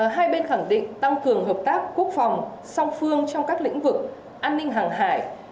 hai bên khẳng định tăng cường hợp tác quốc phòng song phương trong các lĩnh vực an ninh hàng hải